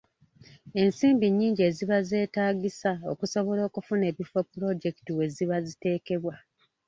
Ensimbi nnyingi eziba zeetaagisa okusobola okufuna ebifo pulojekiti we ziba ziteekebwa.